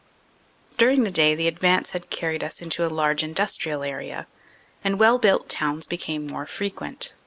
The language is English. "During the day the advance had carried us into a large industrial area, and well built towns became more frequent.